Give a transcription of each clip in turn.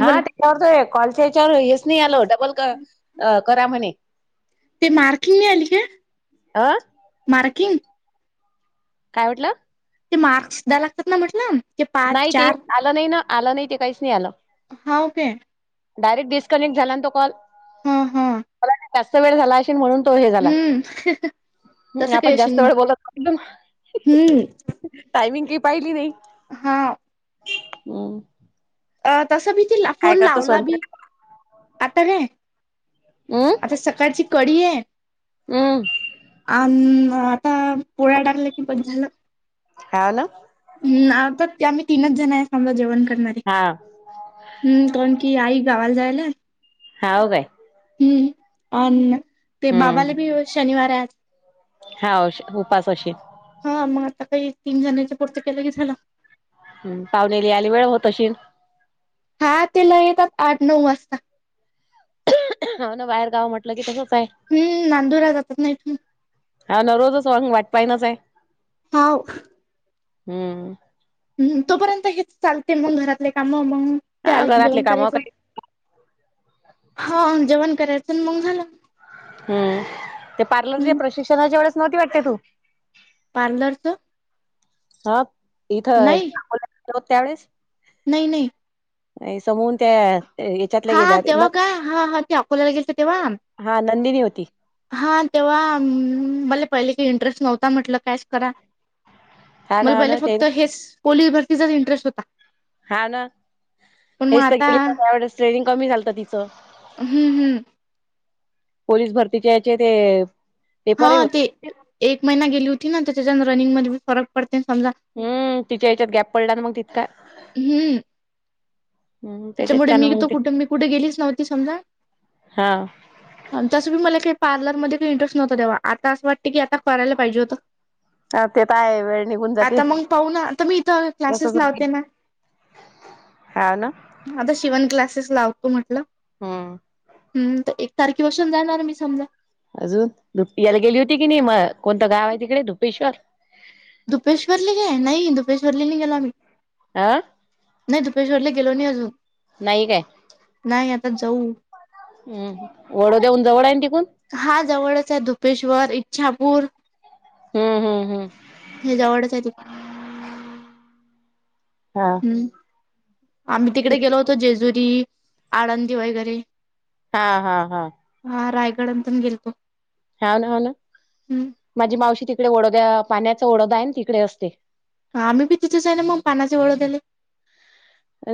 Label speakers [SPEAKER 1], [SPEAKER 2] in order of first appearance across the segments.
[SPEAKER 1] हा त्याच्यावर तो कॉलच्या याच्यावर हेच नाही आल, डबल करा म्हणे.
[SPEAKER 2] ते मार्किंग नाही आली काय,
[SPEAKER 1] अ
[SPEAKER 2] मार्किंग.
[SPEAKER 1] काय म्हटलं.
[SPEAKER 2] ते मार्क्स द्यायला लागतात ना म्हटलं. ते पाच
[SPEAKER 1] नाही ते
[SPEAKER 2] चार
[SPEAKER 1] आलं नाही ना, आलं नाही ते काहीच नाही आलं.
[SPEAKER 2] हा ओके.
[SPEAKER 1] डायरेक्ट डिस्कनेक्ट झाला ना तो कॉल.
[SPEAKER 2] हा हा
[SPEAKER 1] जास्त वेळ झाला असेल म्हणून. तो हे झाला
[SPEAKER 2] हम्म. तसं काय
[SPEAKER 1] आपण
[SPEAKER 2] असेल
[SPEAKER 1] जास्त
[SPEAKER 2] मग
[SPEAKER 1] वेळ बोलत होतो ना.
[SPEAKER 2] हम्म
[SPEAKER 1] टायमिंग काही पाहिली नाही.
[SPEAKER 2] हा
[SPEAKER 1] हम्म.
[SPEAKER 2] अ तसं बी तीला
[SPEAKER 1] काय
[SPEAKER 2] फोन
[SPEAKER 1] करतो
[SPEAKER 2] लावला बी,
[SPEAKER 1] स्वयंपाक
[SPEAKER 2] आता काय
[SPEAKER 1] हम्म
[SPEAKER 2] आता सकाळची कडी आहे.
[SPEAKER 1] हम्म.
[SPEAKER 2] आण आता पोळ्या टाकलं की पण झालं.
[SPEAKER 1] हाव का.
[SPEAKER 2] हम् आता आम्ही तीनच जण आहे, आम्हाला जेवण करणार.
[SPEAKER 1] हां.
[SPEAKER 2] हम्म कोण की आई गावाला जायला
[SPEAKER 1] हा ओके.
[SPEAKER 2] हम्म अण ते बाबाला बी शनिवार आहे.
[SPEAKER 1] हाव उपास अशील.
[SPEAKER 2] हा मग आता काही तीन जणांच्या पुरत केलं की झालं.
[SPEAKER 1] हम पावणेली यायला वेळ होत अशील.
[SPEAKER 2] हा ते लै येतात आठ नऊ वाजता.
[SPEAKER 1] ह ना बाहेर गावं म्हटलं की तसंचय.
[SPEAKER 2] हम्म नांदुरला जातात ना इथून.
[SPEAKER 1] हा न‌ रोज सॉग वाट पायनाच आहे.
[SPEAKER 2] हाव.
[SPEAKER 1] हम्म.
[SPEAKER 2] हम् तोपर्यंत हेच चालतील मग घरातले काम मग. ते
[SPEAKER 1] हा
[SPEAKER 2] आले की
[SPEAKER 1] घरातले
[SPEAKER 2] जेवण
[SPEAKER 1] काम
[SPEAKER 2] करायचं,
[SPEAKER 1] काही
[SPEAKER 2] हा जेवण करायचं मग झालं.
[SPEAKER 1] हम् ते पार्लरचे
[SPEAKER 2] हम्म
[SPEAKER 1] प्रशिक्षणाच्या वेळेस नव्हती वाटत तु.
[SPEAKER 2] पार्लरच
[SPEAKER 1] हा इथं
[SPEAKER 2] नाही
[SPEAKER 1] अकोल्याला होत, त्यावेेळेस.
[SPEAKER 2] नाही नाही.
[SPEAKER 1] नाही समून त्या याच्यातल्या
[SPEAKER 2] हा हा
[SPEAKER 1] गेल्या
[SPEAKER 2] तेव्हा का हा हा ते अकोल्याला गेलत तेव्हा.
[SPEAKER 1] हा नंदिनी होती.
[SPEAKER 2] हा तेव्हा मला पहिले काही इंटरेस्ट नव्हता, म्हटलं कॅश करा.
[SPEAKER 1] हा ना
[SPEAKER 2] मला
[SPEAKER 1] हा
[SPEAKER 2] पहिले
[SPEAKER 1] ना ते
[SPEAKER 2] फक्त हेच पोलीस भरतीचाच इंटरेस्ट होता.
[SPEAKER 1] हाव ना.
[SPEAKER 2] पण मग
[SPEAKER 1] हेच तर
[SPEAKER 2] आता
[SPEAKER 1] गेले त्यावेळी ट्रेनिंग कमी झालत तिच
[SPEAKER 2] हम्म हम्म
[SPEAKER 1] पोलीस भरतीचे याचे ते
[SPEAKER 2] हा
[SPEAKER 1] पेपरही
[SPEAKER 2] ते
[SPEAKER 1] होते
[SPEAKER 2] एक महिना गेली होती ना तर त्याच्यान रनिंग मध्ये फरक पडते समज
[SPEAKER 1] हम्म तिच्या याच्यात गॅप पडला ना मग तितका.
[SPEAKER 2] हम्म
[SPEAKER 1] हम्म त्याच्यात
[SPEAKER 2] त्याच्यामुळे
[SPEAKER 1] छान
[SPEAKER 2] मी
[SPEAKER 1] मग
[SPEAKER 2] तो
[SPEAKER 1] ते
[SPEAKER 2] कुठ मी कुठे गेलीच नव्हती समजा.
[SPEAKER 1] हा
[SPEAKER 2] तसबी मला काही पार्लरमध्ये काही इंटरेस्ट नव्हता तेव्हा आस वाटतय की आता करायला पाहिजे होत.
[SPEAKER 1] ते तर आहे वेळ निघून जाते
[SPEAKER 2] आता मग पाहू ना त मी इथ
[SPEAKER 1] तसच
[SPEAKER 2] क्लासेस
[SPEAKER 1] होते
[SPEAKER 2] लावते ना.
[SPEAKER 1] हा ना
[SPEAKER 2] आता शिवन क्लासेस लावते म्हटल.
[SPEAKER 1] हम्म
[SPEAKER 2] तारखे पासून जाणार मी समजा.
[SPEAKER 1] अजून लूप्टी याला गेली होती की नाही म कोणत गाव आहे तिकडे धुपेश्वर.
[SPEAKER 2] दुपेश्वर ले घे नाही धुपेश्वरले नाही गेलो आम्ही.
[SPEAKER 1] अ
[SPEAKER 2] नाही दुपेश्वरले गेलो नाही अजून.
[SPEAKER 1] नाही काय.
[SPEAKER 2] नाही आता जाऊ,
[SPEAKER 1] हम्म वडो देऊन जवळ आहे तिकून-
[SPEAKER 2] हा जवळच आहे धुपेश्वर इच्छापूर
[SPEAKER 1] हम्म हम्म हम्म
[SPEAKER 2] हे जवडचय ते.
[SPEAKER 1] हा
[SPEAKER 2] अ आम्ही तिकडे गेलो होतो जेजुरी आळंदी वगैरे
[SPEAKER 1] हा हा हा
[SPEAKER 2] हा रायगडल पण गेलतो.
[SPEAKER 1] हाव ना हाव ना
[SPEAKER 2] हम्म.
[SPEAKER 1] माझी मावशी तिकडे ओढोद्या पाण्याचा ओडोदा आहे ना तिकडे असते.
[SPEAKER 2] आम्ही बी तिथच आहे मग पानाचे ओढोद्याले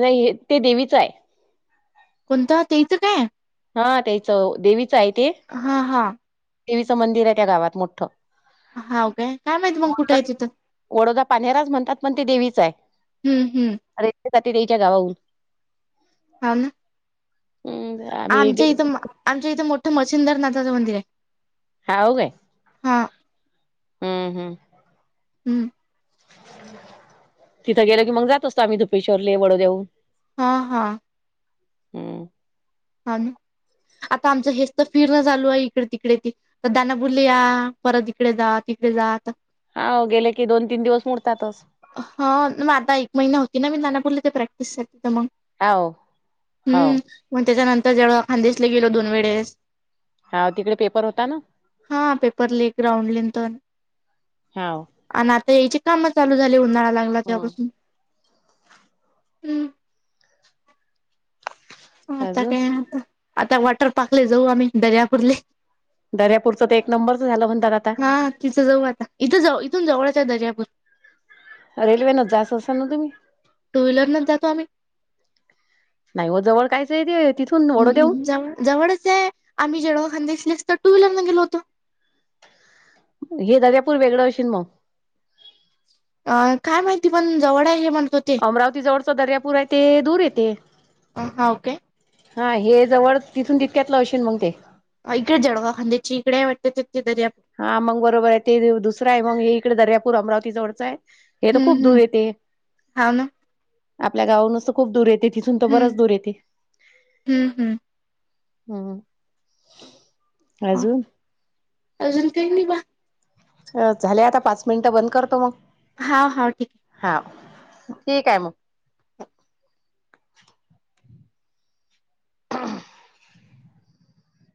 [SPEAKER 1] नाही ते देवीच आहे.
[SPEAKER 2] कोणता ते इथ काय.
[SPEAKER 1] हा त्याच देवीच आहे ते
[SPEAKER 2] हा हा
[SPEAKER 1] देवीच मंदिर आहे त्या गावात मोठ
[SPEAKER 2] हाव काय काय माहिती मग कुठे आहे तिथं
[SPEAKER 1] वडोदा पानेराच म्हणतात पण ते देवीच आहे.
[SPEAKER 2] हम्म हम्म
[SPEAKER 1] ती जाते देईच्या गावाहून.
[SPEAKER 2] हाव ना
[SPEAKER 1] हम्म आम्ही
[SPEAKER 2] आमच्या इथ आमच्या इथ मोठ मसिंदर नाथाच मंदिर आहे.
[SPEAKER 1] हाव काय?
[SPEAKER 2] हा
[SPEAKER 1] हम्म हम्म
[SPEAKER 2] हम्म
[SPEAKER 1] तिथे गेलो मग जात असत आम्ही धुपेश्लर वडदेव
[SPEAKER 2] हा हा
[SPEAKER 1] हम्
[SPEAKER 2] हाव ना आता आमच हेच त फिरण चालू आहे इकडे ते तर दना बोलली या परत इकडे जात इकडे जात.
[SPEAKER 1] हाव गेले की दोन तीन दिवस मोडतातच.
[SPEAKER 2] हा मग आता एक महिना होती ना मी नानापले ते प्रॅक्टिससाठी तर मग
[SPEAKER 1] हाव हाव
[SPEAKER 2] हम्म. मग त्याच्यानंतर जलगावं खानदेशला गेलो दोन वेळेस.
[SPEAKER 1] हाव तिकडे पेपर होता ना
[SPEAKER 2] हा पेपरलेक ग्राउंड लेंथन
[SPEAKER 1] हाव
[SPEAKER 2] आणि आता याची काम चालू झाली. उन्हाळा लागला
[SPEAKER 1] हम्म
[SPEAKER 2] तेव्हापासून. हम आता
[SPEAKER 1] अजून
[SPEAKER 2] काय आता. आता वॉटर पार्कले जाऊ आम्ही दर्यापूरले.
[SPEAKER 1] दर्यापूरचं ते एक नंबरच झाल म्हणतात आता.
[SPEAKER 2] हा. तिथं जाऊ आता. इथं इथून जवळच हाय दर्यापूर.
[SPEAKER 1] रेल्वेन जात असल ना तुम्ही?
[SPEAKER 2] टू व्हीलरन जातो आम्ही.
[SPEAKER 1] नाही वो जवळ कायच ते ते तिथुन,
[SPEAKER 2] हम्म जव जवळच ये, आम्ही जळगाव खान्देशनीस तर टू व्हीलरन गेलो होतो.
[SPEAKER 1] हे दर्यापूर वेगळं आशील मग.
[SPEAKER 2] अ काय माहिती पण जवळ आहे हे म्हणत होते.
[SPEAKER 1] अमरावती जवळचं दर्यापूर हाय ते दूर येते.
[SPEAKER 2] अ हाव काय.
[SPEAKER 1] हा हे जवळ तिथून तितक्यातलं आशील मग ते.
[SPEAKER 2] इकडे जळगाव खान्देशी इकडे वाटतं तिकडे दर्यापू
[SPEAKER 1] हा मग बरोबर आहे. ते दुसर हाय मग हे इकडे दर्यापूर अमरावती जवळचं ये. ये तर खूप
[SPEAKER 2] हम्म
[SPEAKER 1] दूर
[SPEAKER 2] हम्म.
[SPEAKER 1] येती.
[SPEAKER 2] हाव ना
[SPEAKER 1] आपल्या गावावरुनच तर खूप दूर येते. तिथून तर
[SPEAKER 2] हम्म
[SPEAKER 1] बरच दूर येते..
[SPEAKER 2] हम्म हम्म.
[SPEAKER 1] हम्म अजुन?
[SPEAKER 2] अजून काही नाही बा.
[SPEAKER 1] अ झाले आता पाच मिनिटं बंद करतो मग.
[SPEAKER 2] हा हा ठीक.
[SPEAKER 1] हा, ठीक आहे मग. [unintelligible]